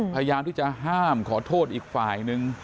พยายามที่จะห้ามขอโทษอีกฝ่ายนึง